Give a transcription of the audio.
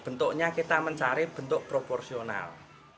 bentuknya kita mencari bentuk proporsional